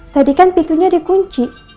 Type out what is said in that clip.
tadi kan pintunya di kunci